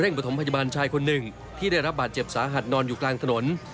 ประถมพยาบาลชายคนหนึ่งที่ได้รับบาดเจ็บสาหัสนอนอยู่กลางถนน